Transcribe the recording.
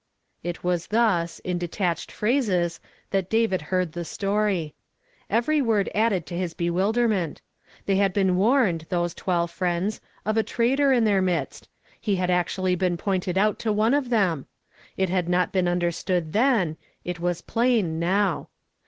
It was thus, in detached plirases, that David heard the story. Every word added to his bewil derment. Thay had been warned, those twelve friends, of a traitor in their midst * he had actually been pointed out to one of them ! It had not been undei stood then ; it was plain now.